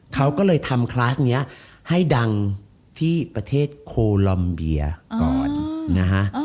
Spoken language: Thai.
เขาก็เลยทำคลาสนี้ให้ดังที่ประเทศโคลอมเบียก่อนนะฮะ